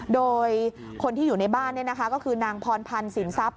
โดยคนที่อยู่ในบ้านก็คือนางพรพันธ์สินทรัพย